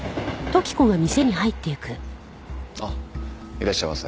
いらっしゃいませ。